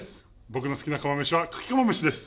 僕の好きな釜飯は、かき釜飯です。